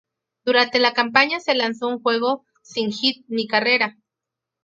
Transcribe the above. Durante la campaña se lanzó un juego sin hit ni carrera.